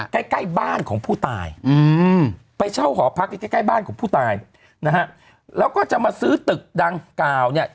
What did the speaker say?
ใกล้ใกล้บ้านของผู้ตายอืมไปเช่าหอพักที่ใกล้ใกล้บ้านของผู้ตายนะฮะแล้วก็จะมาซื้อตึกดังกล่าวเนี่ย